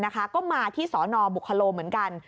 ก็มาที่สนบุคโลเหมือนกัน